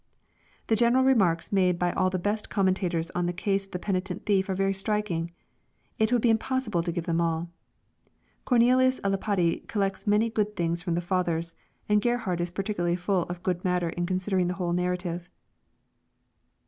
The general remarks made by all the best commentators on the case of the penitent thief are very striking. It would be impossi ble to give ihem all. Cornelius si Lapide collects many good things from the Fathers, and Gerhard is peculiarly ftill of good matter in considering the whole narrative.